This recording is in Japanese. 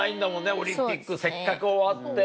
オリンピックせっかく終わって。